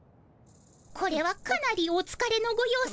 これはかなりおつかれのご様子。